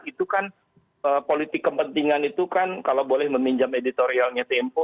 itu kan politik kepentingan itu kan kalau boleh meminjam editorialnya tempo